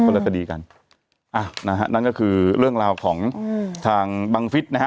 ละคดีกันอ้าวนะฮะนั่นก็คือเรื่องราวของทางบังฟิศนะฮะ